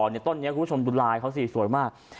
ต้นนี้คุณผู้ชมดูลายเขาสิสวยมาก